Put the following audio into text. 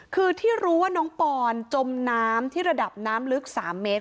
คือที่รู้ว่าน้องปอนจมน้ำที่ระดับน้ำลึก๓เมตร